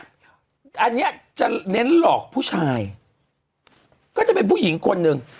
อันนี้จะเน้นหลอกผู้ชายก็จะเป็นผู้หญิงคนหนึ่ง